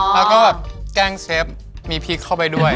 แล้วก็แบบแกล้งเชฟมีพริกเข้าไปด้วย